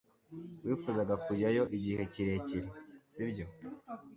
wifuzaga kujyayo igihe kirekire, sibyo